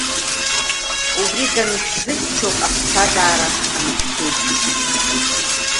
Убри даншәзыхьча ауп аԥсҭазаара анышәԥеиԥшу…